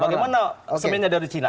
bagaimana seminnya di cina